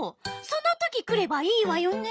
その時来ればいいわよね。